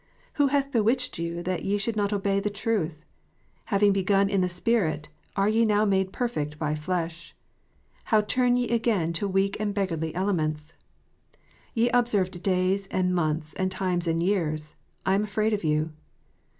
" Who hath bewitched you that ye should not obey the truth ?"" Having begun in the Spirit, are ye now made perfect by the flesh." " How turn ye again to weak and beggarly elements?" "Ye observe days, and months, and times, and years. I am afraid of you."